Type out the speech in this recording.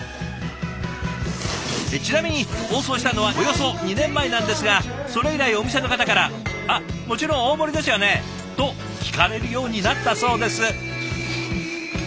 ちなみに放送したのはおよそ２年前なんですがそれ以来お店の方から「あっもちろん大盛りですよね？」と聞かれるようになったそうです。